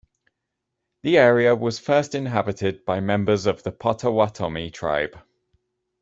The area was first inhabited by members of the Potawatomi tribe.